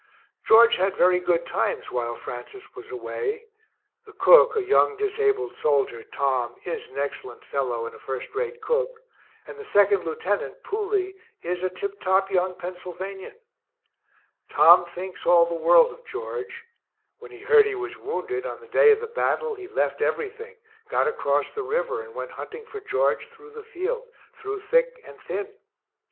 George had very good times while Francis was away the cook, a young disabled soldier, Tom, is an excellent fellow and a first rate cook, and the second lieutenant, Pooley, is a tip top young Pennsylvanian. Tom thinks all the world of George; when he heard he was wounded, on the day of the battle, he left everything, got across the river, and went hunting for George through the field, through thick and thin.